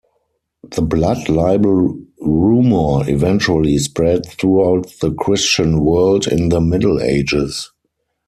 The blood libel rumor eventually spread throughout the Christian world in the Middle Ages.